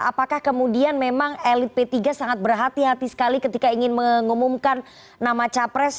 apakah kemudian memang elit p tiga sangat berhati hati sekali ketika ingin mengumumkan nama capres